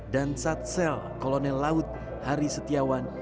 dan satsel kolonel laut hari setiawan